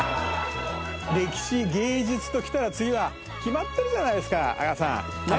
歴史芸術ときたら次は決まってるじゃないですか阿川さん。